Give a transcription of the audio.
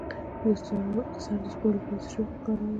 د سر د سپږو لپاره د څه شي اوبه وکاروم؟